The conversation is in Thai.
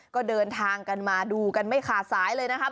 ก็เดินทางกันมาดูกันไม่ขาดสายเลยนะครับ